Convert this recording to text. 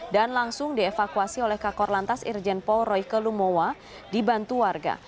dan langsung dievakuasi oleh kakor lantas irjenpo royke lumowa dibantu warga